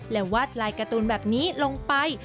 และวาดลายการ์ตูนแบบนี้ลงไป